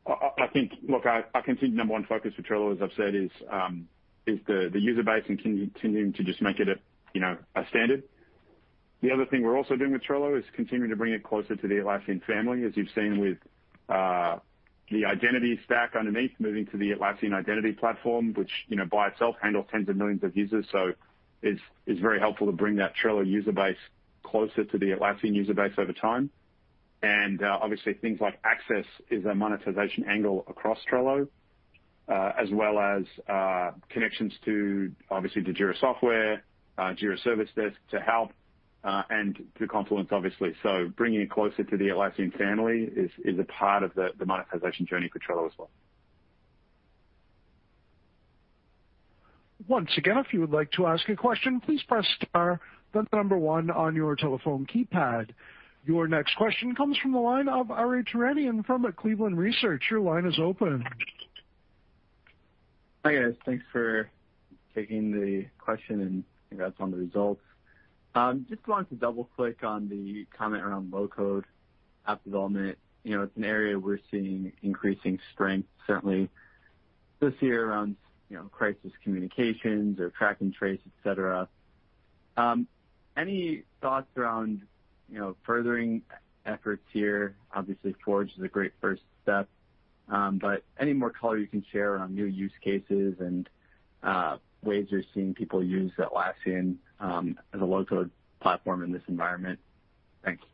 I think, look, our continued number one focus for Trello, as I've said, is the user base and continuing to just make it a standard. The other thing we're also doing with Trello is continuing to bring it closer to the Atlassian family, as you've seen with the identity stack underneath, moving to the Atlassian identity platform, which by itself handles tens of millions of users. It's very helpful to bring that Trello user base closer to the Atlassian user base over time. Obviously, things like access is a monetization angle across Trello, as well as connections to, obviously, the Jira Software, Jira Service Desk to help, and to Confluence, obviously. Bringing it closer to the Atlassian family is a part of the monetization journey for Trello as well. Your next question comes from the line of Ari Terjanian from Cleveland Research. Hi, guys. Thanks for taking the question, and congrats on the results. Just wanted to double-click on the comment around low-code app development. It's an area we're seeing increasing strength, certainly this year, around crisis communications or track and trace, et cetera. Any thoughts around furthering efforts here? Obviously, Forge is a great first step. Any more color you can share on new use cases and ways you're seeing people use Atlassian as a low-code platform in this environment? Thank you.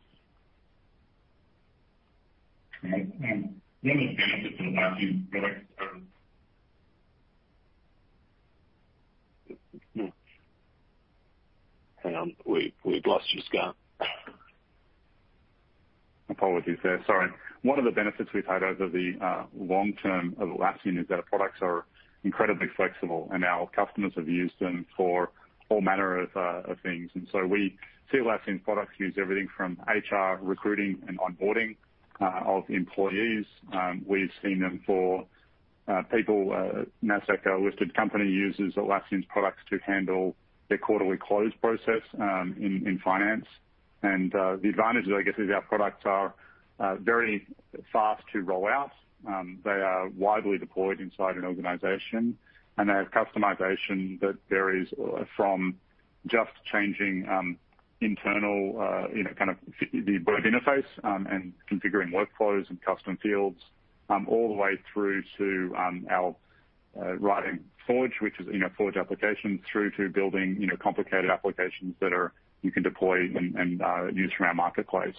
One of the benefits of Atlassian products are. Hang on. We lost you, Scott. Apologies there. Sorry. One of the benefits we've had over the long term of Atlassian is that our products are incredibly flexible, and our customers have used them for all manner of things. We see Atlassian products used everything from HR recruiting and onboarding of employees. We've seen them for people, a NASDAQ listed company uses Atlassian products to handle their quarterly close process in finance. The advantages, I guess, is our products are very fast to roll out. They are widely deployed inside an organization, and they have customization that varies from just changing internal kind of the web interface and configuring workflows and custom fields, all the way through to our writing Forge, which is Forge applications through to building complicated applications that you can deploy and use from our marketplace.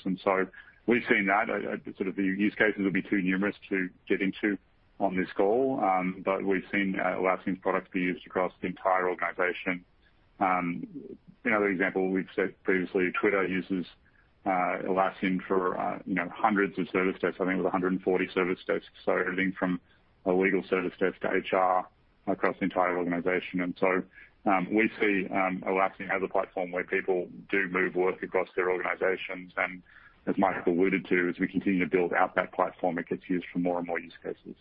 We've seen that. The use cases would be too numerous to get into on this call, but we've seen Atlassian products be used across the entire organization. Another example we've said previously, Twitter uses Atlassian for hundreds of service desks, I think it was 140 service desks. Everything from a legal service desk to HR across the entire organization. We see Atlassian as a platform where people do move work across their organizations. As Mike alluded to, as we continue to build out that platform, it gets used for more and more use cases.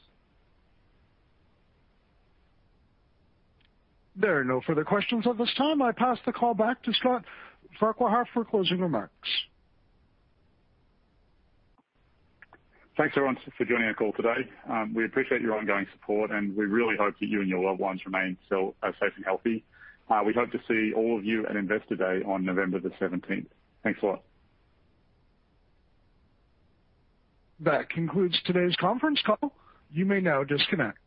There are no further questions at this time. I pass the call back to Scott Farquhar for closing remarks. Thanks, everyone, for joining our call today. We appreciate your ongoing support, and we really hope that you and your loved ones remain safe and healthy. We hope to see all of you at Investor Day on November 17th. Thanks a lot. That concludes today's conference call. You may now disconnect.